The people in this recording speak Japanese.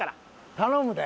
頼むで。